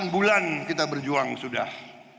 delapan bulan kita berjuang sudah